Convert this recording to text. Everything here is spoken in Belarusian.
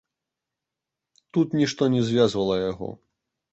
Тут нішто не звязвала яго.